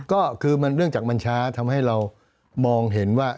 ก็คือเนื่องจากมันช้าทำให้เรามองเห็นว่า